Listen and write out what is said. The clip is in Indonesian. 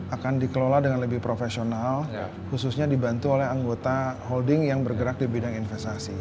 akan dikelola dengan lebih profesional khususnya dibantu oleh anggota holding yang bergerak di bidang investasi